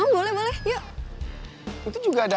susah juga ya